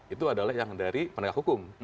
itu adalah yang dari penegak hukum